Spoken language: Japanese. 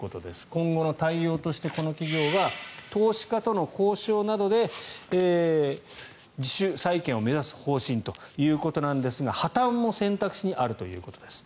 今後の対応として、この企業は投資家との交渉などで自主再建を目指す方針ということなんですが破たんも選択肢にあるということです。